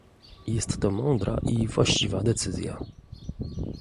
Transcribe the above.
Jest to mądra i właściwa decyzja